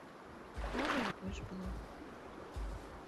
Можа іх больш было.